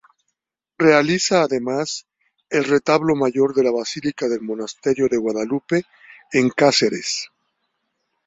Realiza además el retablo mayor de la basílica del monasterio de Guadalupe en Cáceres.